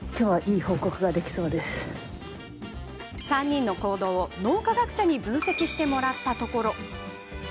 ３人の行動を脳科学者に分析してもらったところ。